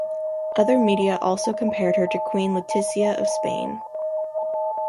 Other media also compared her to Queen Letizia of Spain.